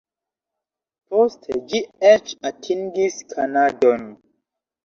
Poste ĝi eĉ atingis Kanadon.